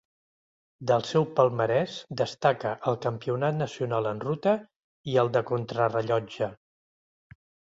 Del seu palmarès destaca el Campionat nacional en ruta i el de contrarellotge.